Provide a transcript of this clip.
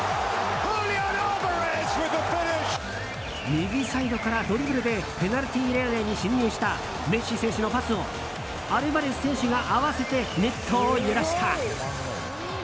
右サイドからドリブルでペナルティーエリア内に進入したメッシ選手のパスをアルヴァレス選手が合わせてネットを揺らした。